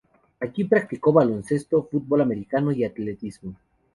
Allí practicó baloncesto, fútbol americano y atletismo.